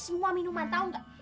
semua minuman tau gak